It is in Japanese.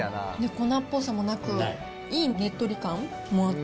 粉っぽさもなく、いいねっとり感もあって。